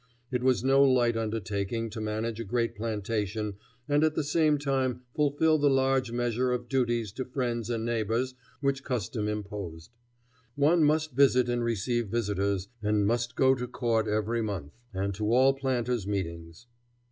It was no light undertaking to manage a great plantation and at the same time fulfil the large measure of duties to friends and neighbors which custom imposed. One must visit and receive visitors, and must go to court every month, and to all planters' meetings.